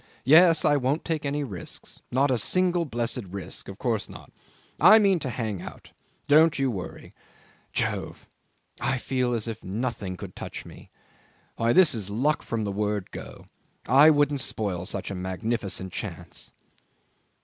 Yes; I won't take any risks. Not a single blessed risk. Of course not. I mean to hang out. Don't you worry. Jove! I feel as if nothing could touch me. Why! this is luck from the word Go. I wouldn't spoil such a magnificent chance!"